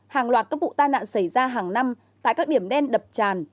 hàng loạt các vụ tai nạn xảy ra hàng năm tại các điểm đen đập tràn